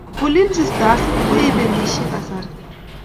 Ulinzi stars ko ibelishe kasari